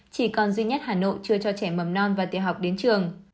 chỉ còn duy nhất hà nội chưa cho trẻ mầm non và tiểu học đến trường